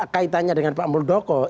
kaitannya dengan pak muldoko